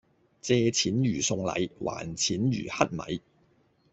借錢如送禮，還錢如乞米